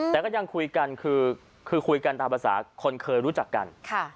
แต่ก็ยังคุยกันคือคุยกันตามภาษาคนเคยรู้จักกัน